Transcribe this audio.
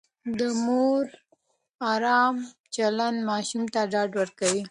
د مور ارام چلند ماشوم ته ډاډ ورکوي.